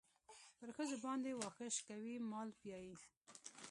پر ښځو باندې واښه شکوي مال پيايي.